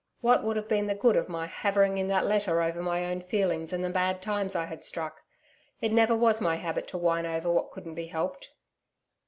What would have been the good of my havering in that letter over my own feelings and the bad times I had struck? It never was my habit to whine over what couldn't be helped.